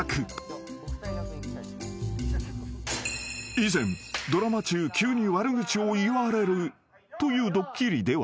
［以前ドラマ中急に悪口を言われるというドッキリでは］